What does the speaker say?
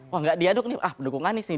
wah gak diaduk nih pendukung anis nih